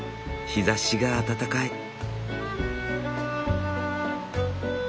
日ざしが暖かい。